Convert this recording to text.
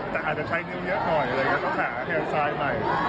แต่อาจจะใช้นิ้วเยอะมากเลยต้องหาสาวใหม่